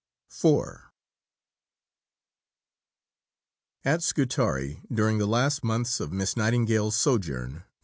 IV At Scutari, during the last months of Miss Nightingale's sojourn (Nov.